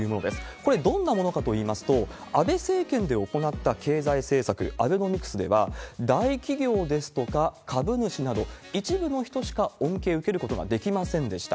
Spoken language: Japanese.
これ、どんなものかといいますと、安倍政権で行った経済政策、アベノミクスでは、大企業ですとか株主など、一部の人しか恩恵受けることができませんでした。